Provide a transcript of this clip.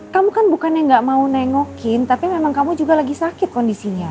kamu kan bukannya gak mau nengokin tapi memang kamu juga lagi sakit kondisinya